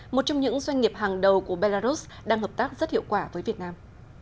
một trong những doanh nghiệp hàng đầu của belarus đang hợp tác rất hiệu quả với việt nam